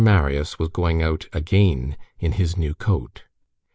Marius was going out again in his new coat.